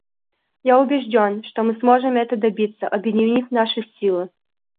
Я убежден, что мы сможем этого добиться, объединив наши силы.